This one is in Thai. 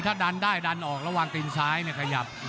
ถ้าดันได้ดันออกระหว่างติดซ้ายขยับ